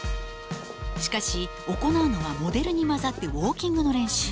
しかし行うのはモデルに交ざってウォーキングの練習。